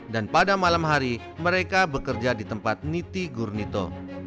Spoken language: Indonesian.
pada malam hari mereka bekerja di tempat niti gurnito